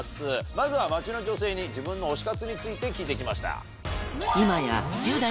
まずは街の女性に自分の推し活について聞いてきました。